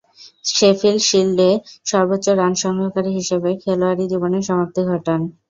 Sheffield শিল্ডে সর্বোচ্চ run সংগ্রহকারী হিসেবে খেলোয়াড়ী জীবনের সমাপ্তি ঘটান।